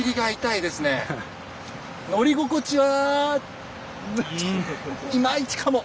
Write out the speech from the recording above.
乗り心地はちょっといまいちかも。